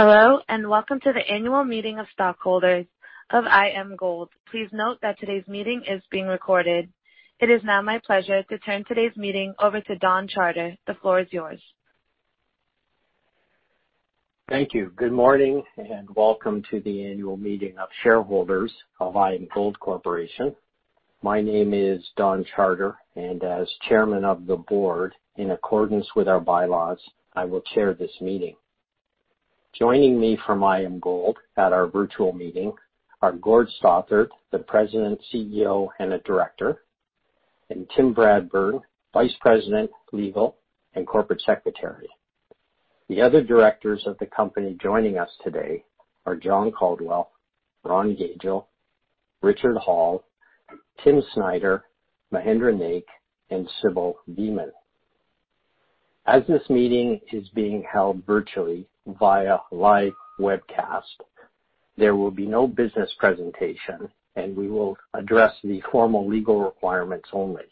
Hello, welcome to the annual meeting of stockholders of IAMGOLD. Please note that today's meeting is being recorded. It is now my pleasure to turn today's meeting over to Don Charter. The floor is yours. Thank you. Good morning, and welcome to the annual meeting of shareholders of IAMGOLD Corporation. My name is Don Charter, and as chairman of the board, in accordance with our bylaws, I will chair this meeting. Joining me from IAMGOLD at our virtual meeting are Gord Stothart, the President, CEO, and a Director, and Tim Bradburn, Vice President, Legal, and Corporate Secretary. The other directors of the company joining us today are John Caldwell, Ron Gagel, Richard Hall, Tim Snider, Mahendra Naik, and Sybil Veenman. As this meeting is being held virtually via live webcast, there will be no business presentation, and we will address the formal legal requirements only.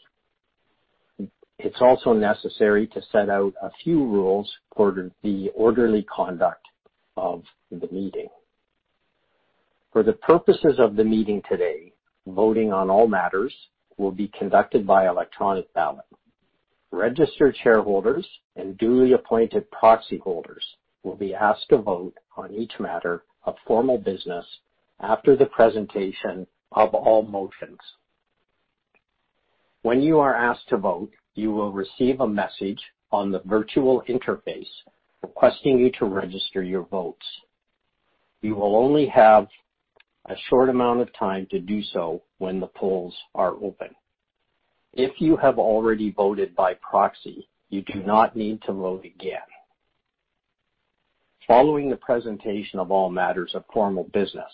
It's also necessary to set out a few rules for the orderly conduct of the meeting. For the purposes of the meeting today, voting on all matters will be conducted by electronic ballot. Registered shareholders and duly appointed proxy holders will be asked to vote on each matter of formal business after the presentation of all motions. When you are asked to vote, you will receive a message on the virtual interface requesting you to register your votes. You will only have a short amount of time to do so when the polls are open. If you have already voted by proxy, you do not need to vote again. Following the presentation of all matters of formal business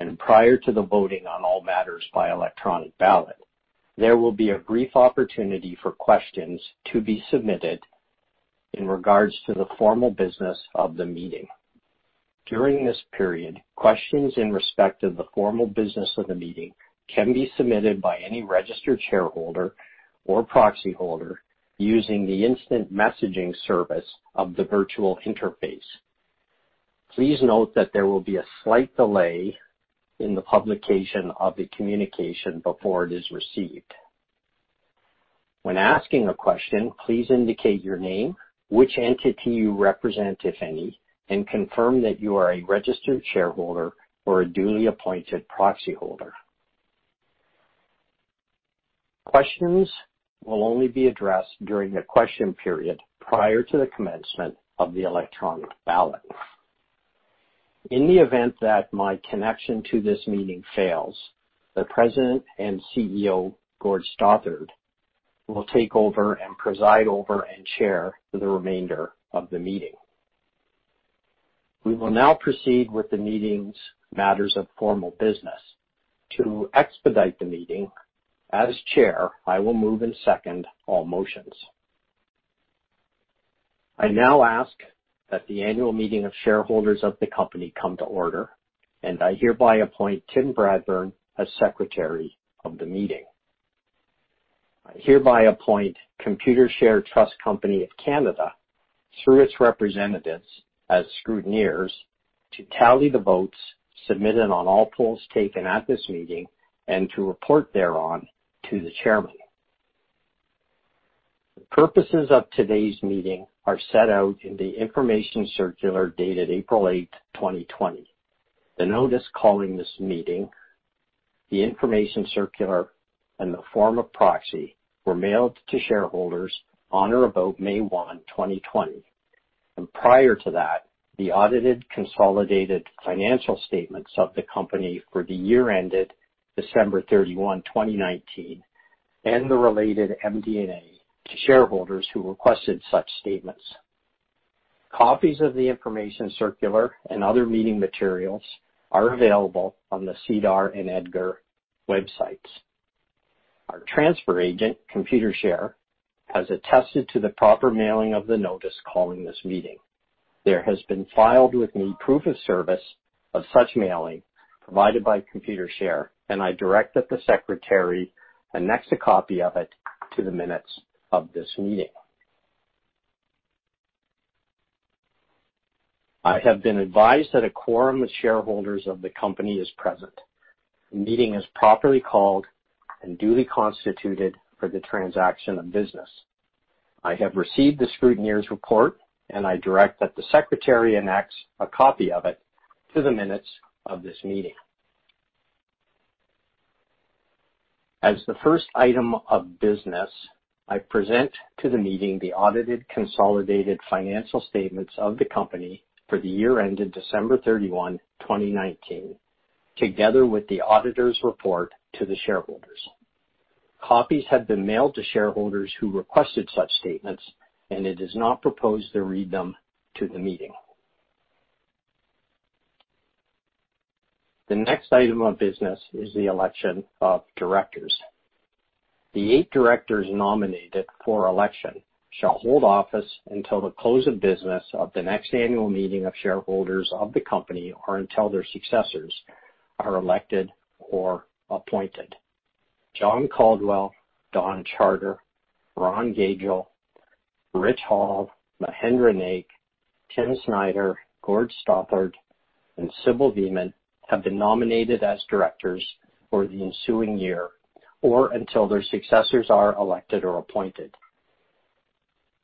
and prior to the voting on all matters by electronic ballot, there will be a brief opportunity for questions to be submitted in regards to the formal business of the meeting. During this period, questions in respect of the formal business of the meeting can be submitted by any registered shareholder or proxy holder using the instant messaging service of the virtual interface. Please note that there will be a slight delay in the publication of the communication before it is received. When asking a question, please indicate your name, which entity you represent, if any, and confirm that you are a registered shareholder or a duly appointed proxy holder. Questions will only be addressed during the question period prior to the commencement of the electronic ballot. In the event that my connection to this meeting fails, the President and CEO, Gord Stothart, will take over and preside over and chair for the remainder of the meeting. We will now proceed with the meeting's matters of formal business. To expedite the meeting, as chair, I will move and second all motions. I now ask that the annual meeting of shareholders of the company come to order, and I hereby appoint Tim Bradburn as secretary of the meeting. I hereby appoint Computershare Trust Company of Canada, through its representatives as scrutineers, to tally the votes submitted on all polls taken at this meeting and to report thereon to the chairman. The purposes of today's meeting are set out in the information circular dated April 8th, 2020. The notice calling this meeting, the information circular, and the form of proxy were mailed to shareholders on or about May 1, 2020, and prior to that, the audited consolidated financial statements of the company for the year ended December 31, 2019, and the related MD&A to shareholders who requested such statements. Copies of the information circular and other meeting materials are available on the SEDAR and EDGAR websites. Our transfer agent, Computershare, has attested to the proper mailing of the notice calling this meeting. There has been filed with me proof of service of such mailing provided by Computershare, and I direct that the secretary annex a copy of it to the minutes of this meeting. I have been advised that a quorum of shareholders of the company is present. The meeting is properly called and duly constituted for the transaction of business. I have received the scrutineer's report, and I direct that the secretary annex a copy of it to the minutes of this meeting. As the first item of business, I present to the meeting the audited consolidated financial statements of the company for the year ended December 31, 2019, together with the auditor's report to the shareholders. Copies have been mailed to shareholders who requested such statements, and it is not proposed to read them to the meeting. The next item of business is the election of directors. The eight directors nominated for election shall hold office until the close of business of the next annual meeting of shareholders of the company, or until their successors are elected or appointed. John Caldwell, Don Charter, Ron Gagel, Rich Hall, Mahendra Naik, Tim Snider, Gord Stothart, and Sybil Veenman have been nominated as directors for the ensuing year, or until their successors are elected or appointed.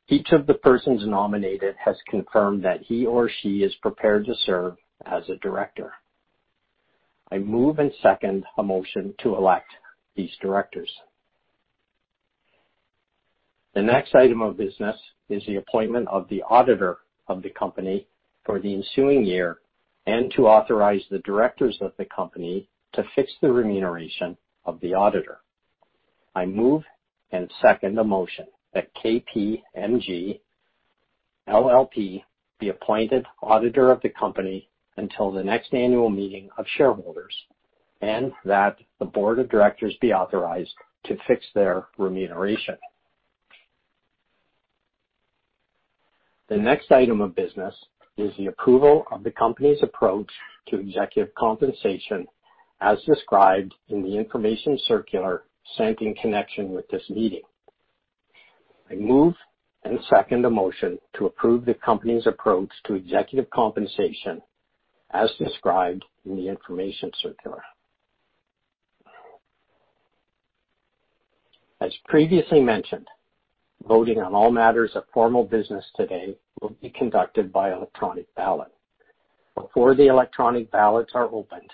Each of the persons nominated has confirmed that he or she is prepared to serve as a director. I move and second a motion to elect these directors. The next item of business is the appointment of the auditor of the company for the ensuing year and to authorize the directors of the company to fix the remuneration of the auditor. I move and second the motion that KPMG LLP be appointed auditor of the company until the next annual meeting of shareholders, and that the Board of Directors be authorized to fix their remuneration. The next item of business is the approval of the company's approach to executive compensation as described in the information circular sent in connection with this meeting. I move and second the motion to approve the company's approach to executive compensation as described in the information circular. As previously mentioned, voting on all matters of formal business today will be conducted by electronic ballot. Before the electronic ballots are opened,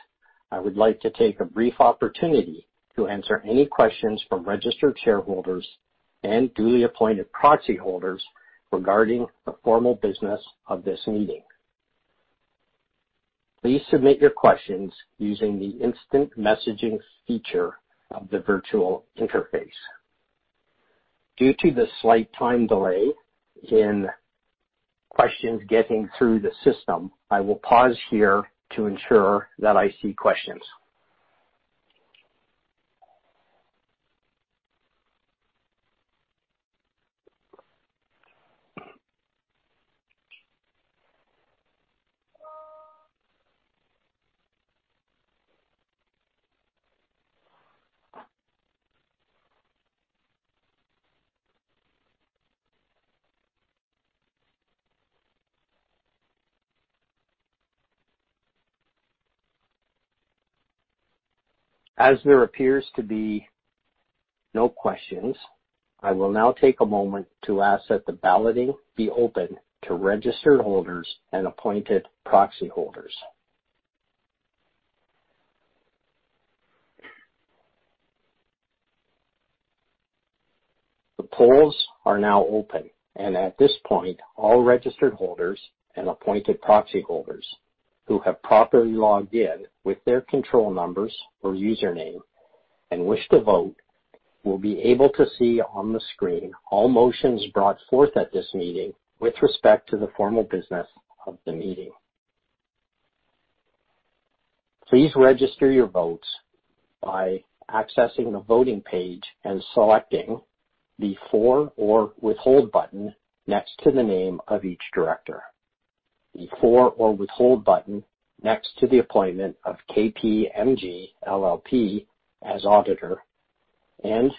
I would like to take a brief opportunity to answer any questions from registered shareholders and duly appointed proxy holders regarding the formal business of this meeting. Please submit your questions using the instant messaging feature of the virtual interface. Due to the slight time delay in questions getting through the system, I will pause here to ensure that I see questions. As there appears to be no questions, I will now take a moment to ask that the balloting be open to registered holders and appointed proxy holders. The polls are now open, and at this point, all registered holders and appointed proxy holders who have properly logged in with their control numbers or username and wish to vote will be able to see on the screen all motions brought forth at this meeting with respect to the formal business of the meeting. Please register your votes by accessing the voting page and selecting the For or Withhold button next to the name of each director, the For or Withhold button next to the appointment of KPMG LLP as auditor, and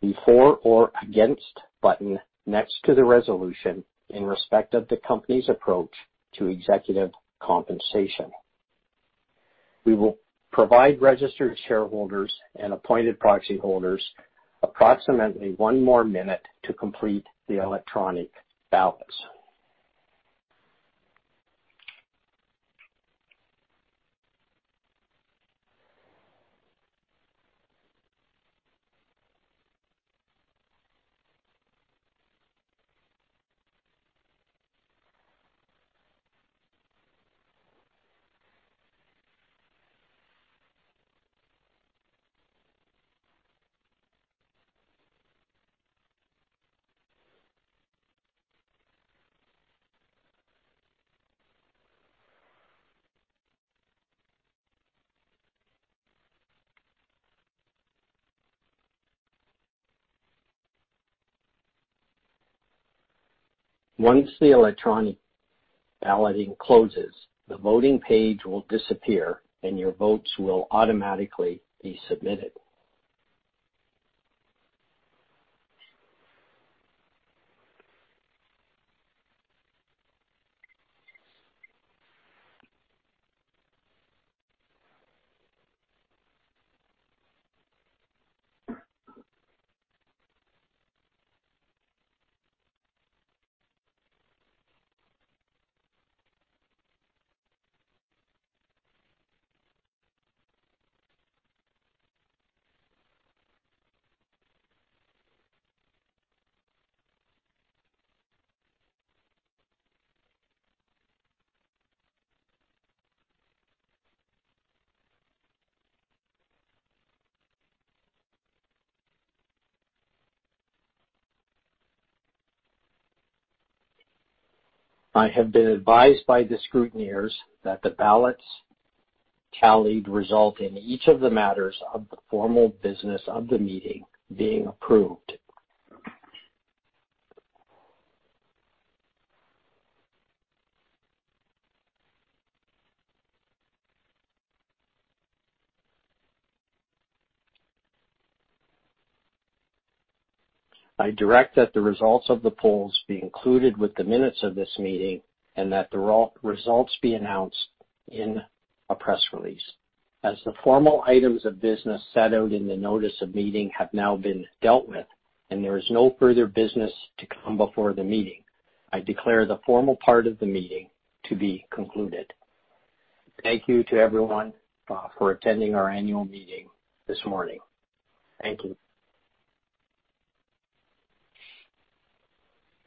the For or Against button next to the resolution in respect of the company's approach to executive compensation. We will provide registered shareholders and appointed proxy holders approximately one more minute to complete the electronic ballots. Once the electronic balloting closes, the voting page will disappear, and your votes will automatically be submitted. I have been advised by the scrutineers that the ballots tallied result in each of the matters of the formal business of the meeting being approved. I direct that the results of the polls be included with the minutes of this meeting and that the results be announced in a press release. As the formal items of business set out in the notice of meeting have now been dealt with and there is no further business to come before the meeting, I declare the formal part of the meeting to be concluded. Thank you to everyone for attending our annual meeting this morning. Thank you.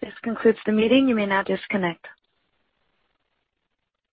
This concludes the meeting. You may now disconnect.